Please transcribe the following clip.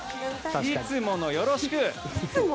いつものよろしく！